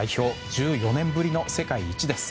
１４年ぶりの世界一です。